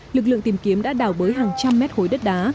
lực lượng tìm kiếm đã đào bới hàng trăm mét khối đất đá